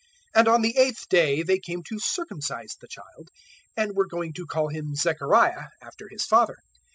001:059 And on the eighth day they came to circumcise the child, and were going to call him Zechariah, after his father.